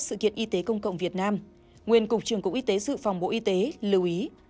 sự kiện y tế công cộng việt nam nguyên cục trưởng cục y tế dự phòng bộ y tế lưu ý